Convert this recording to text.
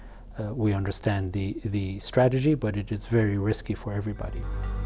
tapi sangat beresiko untuk semua orang